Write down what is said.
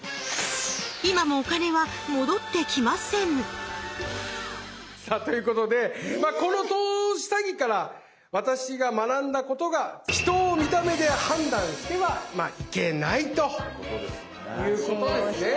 今もお金は戻ってきませんさあということでこの投資詐欺から私が学んだことが人を見た目で判断してはいけないということですね。